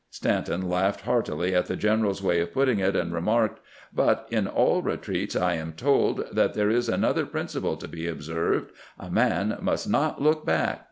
Stanton laughed heartily at the general's way of putting it, and remarked: "But in all retreats I am told that there is another principle to be observed : a man must not look back.